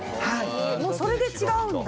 もうそれで違うんだ？